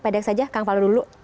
pedek saja kang faldo dulu